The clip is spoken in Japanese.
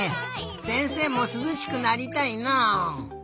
せんせいもすずしくなりたいな。